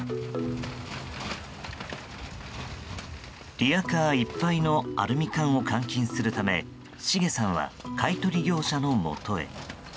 リヤカーいっぱいのアルミ缶を換金するためシゲさんは買い取り業者のもとへ。